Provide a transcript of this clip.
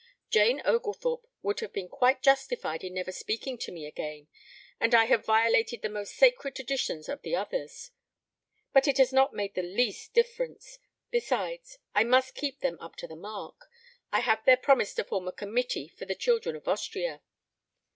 Jane Oglethorpe would have been quite justified in never speaking to me again, and I have violated the most sacred traditions of the others. But it has not made the least difference. Besides, I must keep them up to the mark. I have their promise to form a committee for the children of Austria."